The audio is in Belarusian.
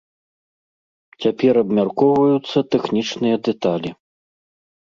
Цяпер абмяркоўваюцца тэхнічныя дэталі.